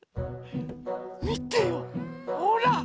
みてよほら！